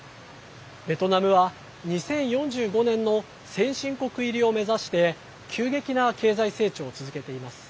ベトナムは、２０４５年の先進国入りを目指して急激な経済成長を続けています。